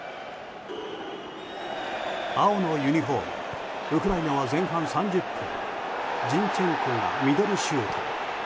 青のユニホーム、ウクライナは前半３０分ジンチェンコがミドルシュート。